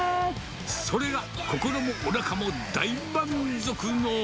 それが心もおなかも大満足の。